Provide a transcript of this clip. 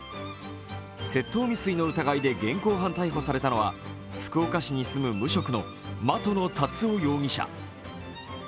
窃盗未遂の疑いで現行犯逮捕されたのは福岡市に住む無職の的野達生容疑者。